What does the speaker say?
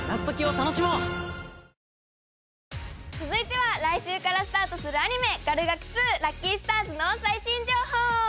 続いては来週からスタートするアニメ最新情報！